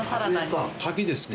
柿ですね。